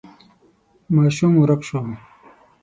ماشوم ورک شو.